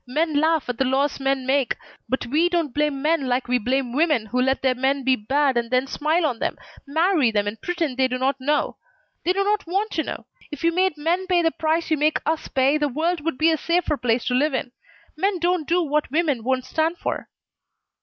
Men laugh at the laws men make, but we don't blame men like we blame women who let their men be bad and then smile on them, marry them, and pretend they do not know. They do not want to know. If you made men pay the price you make us pay, the world would be a safer place to live in. Men don't do what women won't stand for."